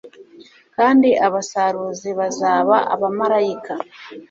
Kandi abasaruzi bazaba abamarayika